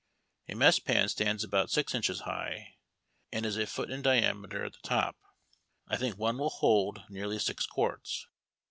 A mess pan stands about six inches high, and is a foot in diameter at the top. I think one will hold nearly six quarts.